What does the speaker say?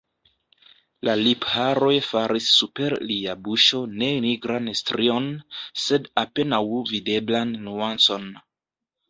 La lipharoj faris super lia buŝo ne nigran strion, sed apenaŭ videblan nuancon.